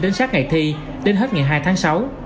đến sát ngày thi đến hết ngày hai tháng sáu